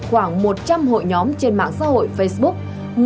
khoảng một trăm linh hội nhóm trên mạng xã hội facebook